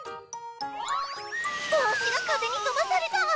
ぼうしがかぜにとばされたわ！